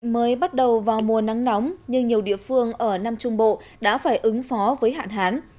mới bắt đầu vào mùa nắng nóng nhưng nhiều địa phương ở nam trung bộ đã phải ứng phó với hạn hán